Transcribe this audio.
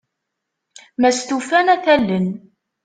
Ma stufan, ad t-allen.